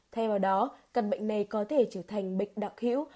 thay vào đó căn bệnh này có thể trở thành bệnh đặc hữu